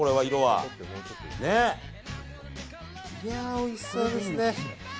ひゃー、おいしそうですね。